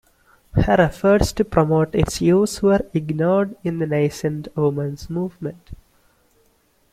Her efforts to promote its use were ignored in the nascent Women's Movement.